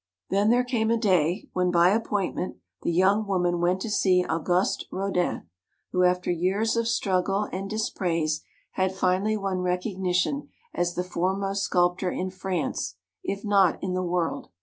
Then there came a day when by appoint ment the young woman went to see Auguste Rodin, who after years of struggle and dis praise had finally won recognition as the foremost sculptor in France if not in the world.